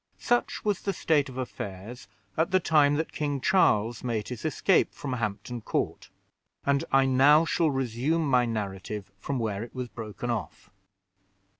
Such was the state of affairs at the time that King Charles made his escape from Hampton Court; and I now shall resume my narrative from where it was broken off.